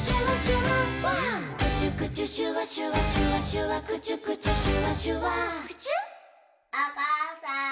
おかあさん。